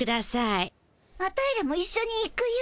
アタイらもいっしょに行くよ。